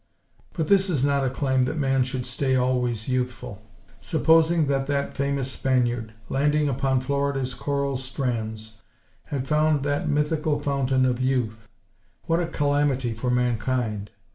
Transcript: But this is not a claim that Man should stay always youthful. Supposing that that famous Spaniard, landing upon Florida's coral strands, had found that mythical Fountain of Youth; what a calamity for mankind!